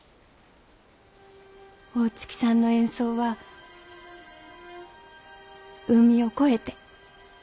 大月さんの演奏は海を越えて。